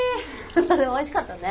でもおいしかったね。